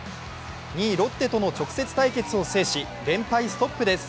２位・ロッテとの直接対決を制し連敗ストップです。